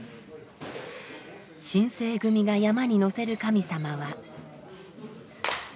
新盛組がヤマに乗せる神様は。